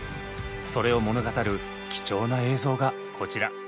それを物語る貴重な映像がこちら！